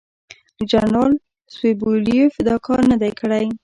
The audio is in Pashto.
جنرال سوبولیف دا کار نه دی کړی.